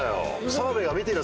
澤部が見てる。